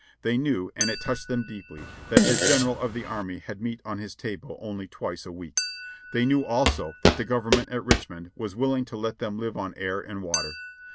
They knew, and it touched them deeply, that the General of the army had meat on his table only twice a week. They knew also, that the Government at Richmond was willing to let them live on air and water.